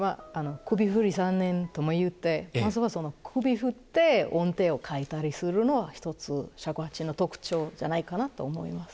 「首振り三年」とも言ってまずはその首振って音程を変えたりするのは一つ尺八の特徴じゃないかなと思います。